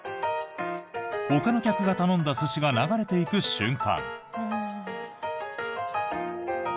ほかの客が頼んだ寿司が流れていく瞬間。